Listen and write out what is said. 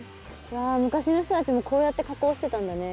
昔の人たちもこうやって加工してたんだね